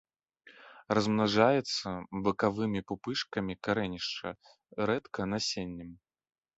Размнажаецца бакавымі пупышкамі карэнішча, рэдка насеннем.